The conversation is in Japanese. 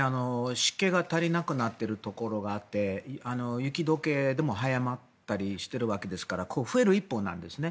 湿気が足りなくなっているところがあって雪解けも早まったりしてるわけですから増える一方なんですね。